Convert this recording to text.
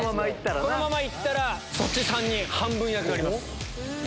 このままいったら、そっち３人、半分いなくなります。